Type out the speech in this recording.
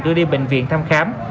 đưa đi bệnh viện thăm khám